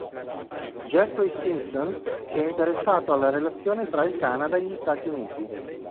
Jeffrey Simpson si è interessato alle relazioni tra il Canada e gli Stati Uniti.